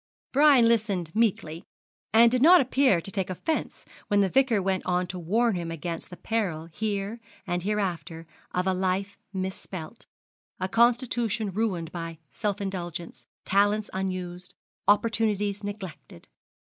Brian listened meekly, and did not appear to take offence when the Vicar went on to warn him against the peril here and hereafter of a life misspent, a constitution ruined by self indulgence, talents unused, opportunities neglected.